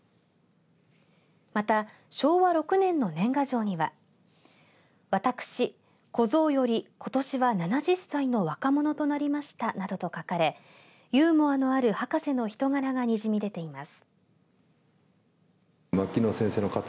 また、昭和６年の年賀状にはわたくし小僧よりことしは７０歳の若者となりましたなどと書かれユーモアのある博士の人柄がにじみ出ています。